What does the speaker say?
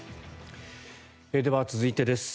では、続いてです。